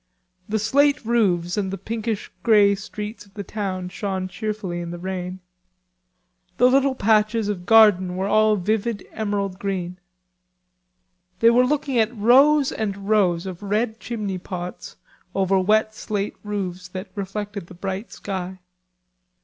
The slate roofs and the pinkish grey streets of the town shone cheerfully in the rain. The little patches of garden were all vivid emerald green. Then they were looking at rows and rows of red chimney pots over wet slate roofs that reflected the bright sky.